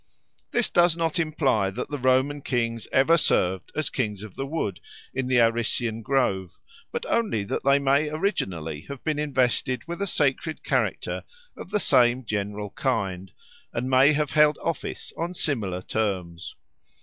This does not imply that the Roman kings ever served as Kings of the Wood in the Arician grove, but only that they may originally have been invested with a sacred character of the same general kind, and may have held office on similar terms.